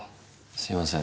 すいません。